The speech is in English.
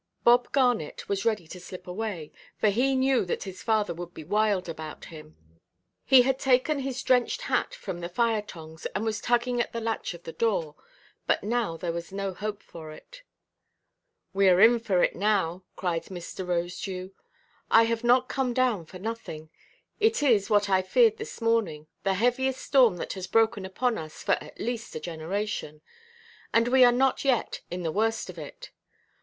Bob Garnet was ready to slip away, for he knew that his father would be wild about him; he had taken his drenched hat from the firetongs, and was tugging at the latch of the door. But now there was no help for it. "We are in for it now," cried Mr. Rosedew; "I have not come down for nothing. It is, what I feared this morning, the heaviest storm that has broken upon us for at least a generation. And we are not yet in the worst of it.